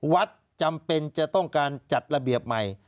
จำเป็นจะต้องการจัดระเบียบใหม่